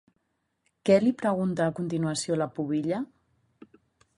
Què li pregunta a continuació la pubilla?